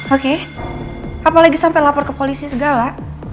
oke apalagi sampai lapor ke polisi segala